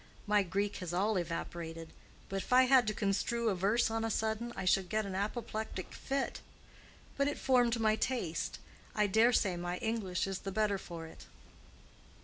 My Greek has all evaporated; if I had to construe a verse on a sudden, I should get an apoplectic fit. But it formed my taste. I dare say my English is the better for it."